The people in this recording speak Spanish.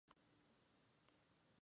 El partido finalizó con empate a uno.